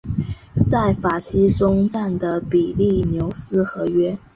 在法西终战的比利牛斯和约。